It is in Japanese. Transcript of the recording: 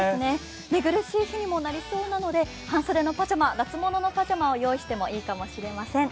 寝苦しい日にもなりそうなので半袖のパジャマ、夏物のパジャマを用意してもいいかもしれません。